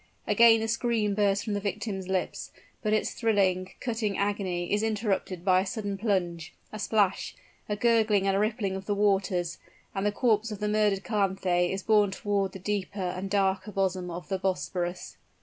Again the scream bursts from the victim's lips; but its thrilling, cutting agony is interrupted by a sudden plunge a splash a gurgling and a rippling of the waters and the corpse of the murdered Calanthe is borne toward the deeper and darker bosom of the Bosporus.